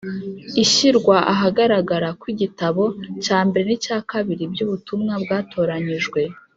Ishyirwa ahagaragara kw’igitabo cya mbere n’icya kabiri by’Ubutumwa Bwatoranyijwe,